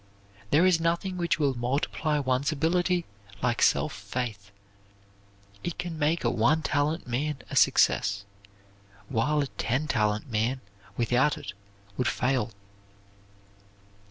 There is nothing which will multiply one's ability like self faith. It can make a one talent man a success, while a ten talent man without it would fail.